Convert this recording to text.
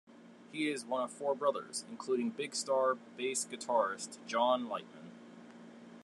He is one of four brothers, including Big Star bass guitarist John Lightman.